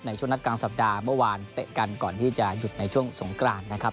ช่วงนัดกลางสัปดาห์เมื่อวานเตะกันก่อนที่จะหยุดในช่วงสงกรานนะครับ